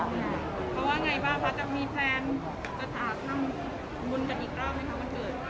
เขาว่าไงบ้างคะจะมีแพลนจัดหาทำบุญกันอีกรอบให้ครับวันเกิด